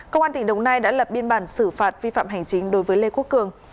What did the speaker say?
công an tỉnh đồng nai đã lập biên bản xử phạt vi phạm hành chính đối với lê quốc cường